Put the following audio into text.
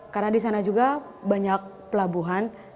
karena di sana juga banyak pelabuhan